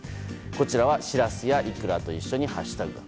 こちらはシラスやいくらと共にハッシュタグが。